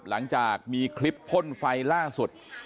หลังจากมีคลิปพ่นไฟล่าสุด